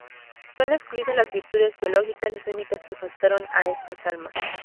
Son excluidas las virtudes teológicas, las únicas que faltaron a estas almas.